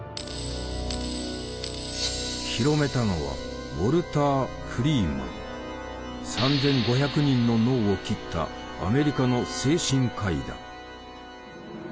広めたのは３，５００人の脳を切ったアメリカの精神科医だ。